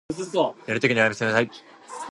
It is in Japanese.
寝るときにおやすみなさい。